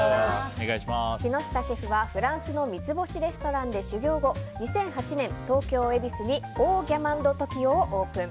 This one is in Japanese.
木下シェフはフランスの三つ星レストランで修業後、２００８年東京・恵比寿にオー・ギャマン・ド・トキオをオープン。